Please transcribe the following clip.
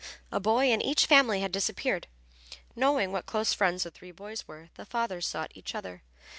A boy in each family had disappeared. Knowing what close friends the three boys were the fathers sought each other.